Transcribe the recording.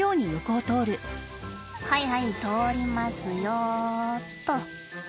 「はいはい通りますよ」っと。